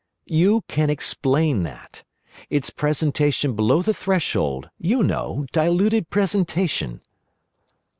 You can explain that. It's presentation below the threshold, you know, diluted presentation."